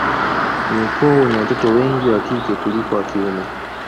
Ni ukoo wenye watoto wengi wa kike kuliko wa kiume